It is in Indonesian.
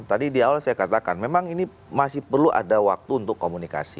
tadi di awal saya katakan memang ini masih perlu ada waktu untuk komunikasi